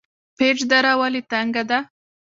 پیج دره ولې تنګه ده؟